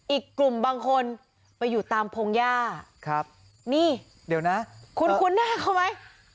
อีกกลุ่มบางคนไปอยู่ตามพงหญ้าครับนี่เดี๋ยวนะคุณคุ้นหน้าเขาไหม